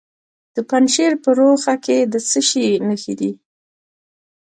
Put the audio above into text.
د پنجشیر په روخه کې د څه شي نښې دي؟